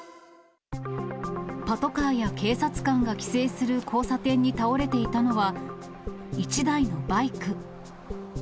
パトカーや警察官が規制する交差点に倒れていたのは、１台のバイク。